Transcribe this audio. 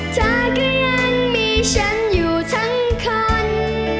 เธอก็ยังมีฉันอยู่ทั้งคน